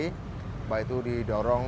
bahwa itu didorong